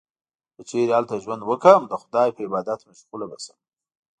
که چیرې هلته ژوند وکړم، د خدای په عبادت مشغوله به شم.